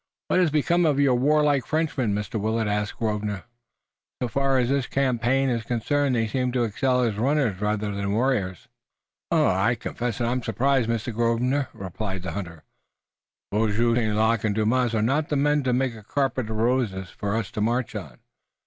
"What has become of your warlike Frenchmen, Mr. Willet?" asked Grosvenor. "So far as this campaign is concerned they seem to excel as runners rather than warriors." "I confess that I'm surprised, Mr. Grosvenor," replied the hunter. "Beaujeu, St. Luc and Dumas are not the men to make a carpet of roses for us to march on.